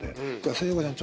「聖子ちゃん